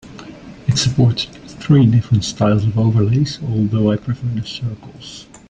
It supports three different styles of overlays, although I prefer the circles.